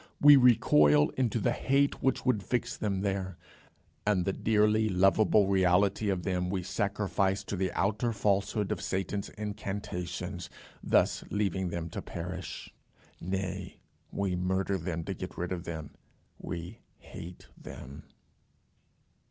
we recoil into the hate which would fix them there; and the dearly lovable reality of them we sacrifice to the outer falsehood of Satan's incantations, thus leaving them to perish. Nay, we murder them to get rid of them, we hate them.